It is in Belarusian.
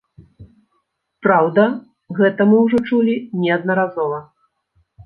Праўда, гэта мы ўжо чулі неаднаразова.